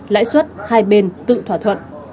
lãi suất hai bên tự thỏa thuận